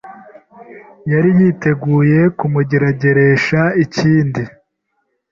yari yiteguye kumugerageresha ikindi.